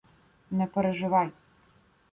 — Не переживай.